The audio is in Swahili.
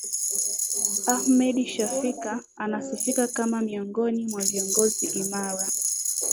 ahmed shafik anasifika kama miongoni mwa viongozi imara